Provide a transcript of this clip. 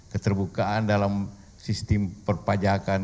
keterbukaan dalam sistem perpajakan